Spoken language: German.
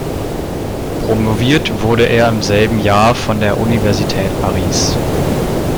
Promoviert wurde er im selben Jahr von der Universität Paris.